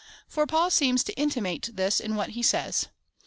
^ For Paul seems to intimate this in what he says.